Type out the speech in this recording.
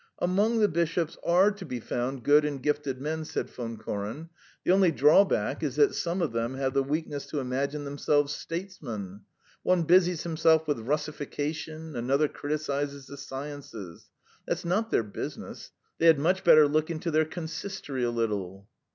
"Among the bishops are to be found good and gifted men," said Von Koren. "The only drawback is that some of them have the weakness to imagine themselves statesmen. One busies himself with Russification, another criticises the sciences. That's not their business. They had much better look into their consistory a little."